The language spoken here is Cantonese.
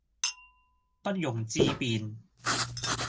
不容置辯